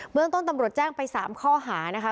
เมืองต้นตำรวจแจ้งไป๓ข้อหานะคะ